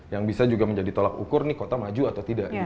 yang bisa juga menjadi tolak ukur nih kota maju atau tidak